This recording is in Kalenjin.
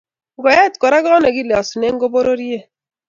Ngoet Kora konekilosu ko pororiet